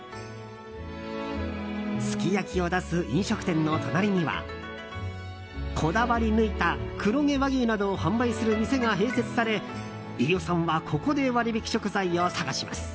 すき焼きを出す飲食店の隣にはこだわり抜いた黒毛和牛などを販売する店が併設され飯尾さんはここで割引食材を探します。